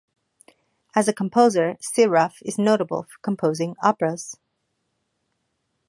As a composer, Serov is notable for composing operas.